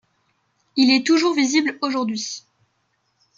Il est toujours visible aujourd'hui.